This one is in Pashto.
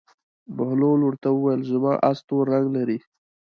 بهلول ورته وویل: زما اس تور رنګ لري.